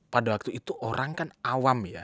pada waktu itu orang kan awam ya